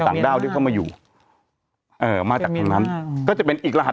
ด้าวที่เข้ามาอยู่เอ่อมาจากทางนั้นก็จะเป็นอีกรหัส